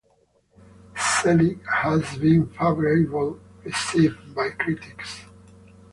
"Zelig" has been favorably received by critics.